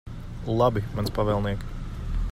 Labi, mans pavēlniek.